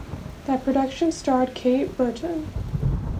That production starred Kate Burton.